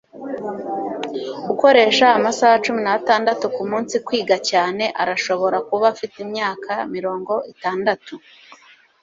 ukoresha amasaha cumi n'atandatu kumunsi kwiga cyane arashobora kuba afite imyaka mirongo itandatu